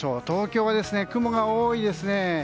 東京は雲が多いですね。